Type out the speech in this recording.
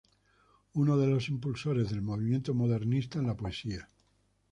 Uno de los impulsores del movimiento modernista en la poesía.